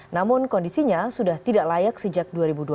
namun kondisinya sudah tidak layak sejak dua ribu dua belas